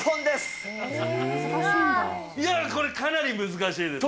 いやー、これかなり難しいですね。